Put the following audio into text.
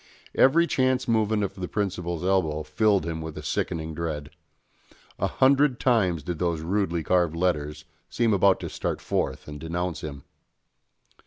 Every chance movement of the principal's elbow filled him with a sickening dread. A hundred times did those rudely carved letters seem about to start forth and denounce him.